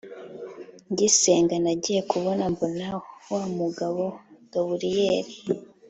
ngisenga nagiye kubona mbona wa mugabo gaburiyeli